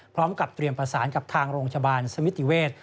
พร้อมกับเตรียมประสานกับทางโรงพยาบาลสมิติเวศ